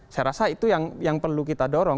saya rasa itu yang perlu kita dorong